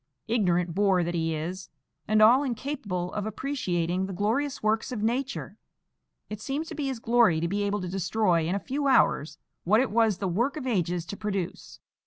Ignorant boor that he is, and all incapable of appreciating the glorious works of Nature, it seems to be his glory to be able to destroy in a few hours what it was the work of ages to produce.